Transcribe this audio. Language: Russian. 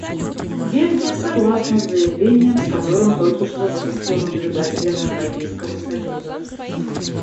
Бельгия согласна с заявлением, с которым только что выступил наблюдатель от Европейского союза.